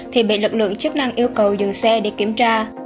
thì bị lực lượng chức năng yêu cầu dừng xe để kiểm tra